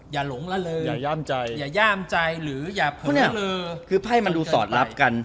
อย่าหลงระเริงอย่าย่ามใจอย่าย่ามใจหรืออย่าเผลอคือไพ่มันดูสอดลับกัน